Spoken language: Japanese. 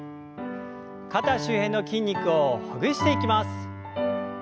肩周辺の筋肉をほぐしていきます。